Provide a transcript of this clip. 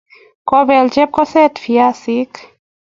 Kobel chepkoset viazik